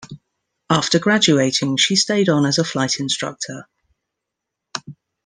After graduating, she stayed on as a flight instructor.